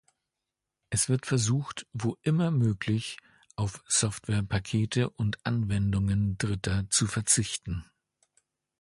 Es wird versucht, wo immer möglich, auf Softwarepakete und Anwendungen Dritter zu verzichten.